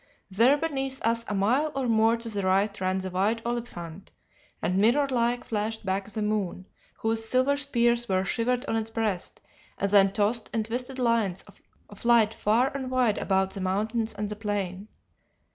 There beneath us a mile or more to the right ran the wide Oliphant, and mirror like flashed back the moon, whose silver spears were shivered on its breast, and then tossed in twisted lines of light far and wide about the mountains and the plain.